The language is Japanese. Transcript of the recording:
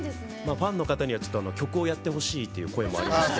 ファンの方には曲をやってほしいという声もありまして